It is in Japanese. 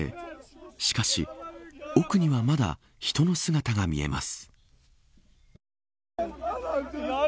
しかし、奥にはまだ人の姿が見えます。